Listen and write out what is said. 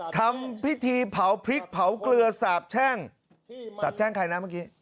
ทำพิธีเผาพริกเผาเกลือสาบแช่งสาบแช่งใครนะเมื่อกี้